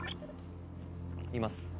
いきます。